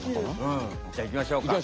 うんじゃあいきましょうか。